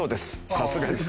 さすがです。